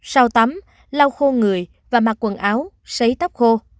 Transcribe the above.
sau tắm lau khô người và mặc quần áo sấy tóc khô